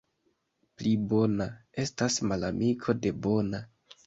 Pli bona — estas malamiko de bona.